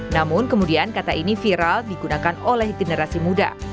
namun kemudian kata ini viral digunakan oleh generasi muda